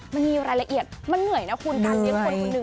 มันมีรายละเอียดมันเหนื่อยนะคุณการเลี้ยงคนคนหนึ่ง